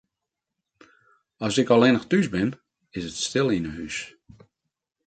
As ik allinnich thús bin, is it stil yn 'e hûs.